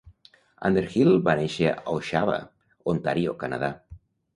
Underhill va néixer a Oshawa, Ontario, Canadà.